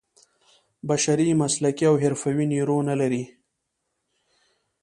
بشري مسلکي او حرفوي نیرو نه لري.